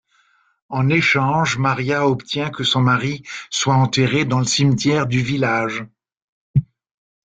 En échange Maria obtient que son mari soit enterré dans le cimetière du village.